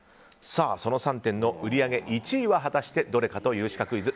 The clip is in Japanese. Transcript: その３点の売り上げ１位は果たしてどれかというシカクイズ